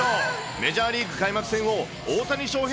メジャーリーグ開幕戦を、大谷翔平